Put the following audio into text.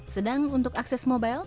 sedang untuk akses mobile